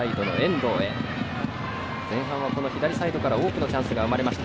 前半は左サイドから多くのチャンスが生まれました。